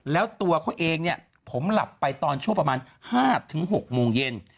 แล้วตัวเขาเองเนี่ยผมหลับไปตอนช่วงประมาณ๕๖โมงเย็น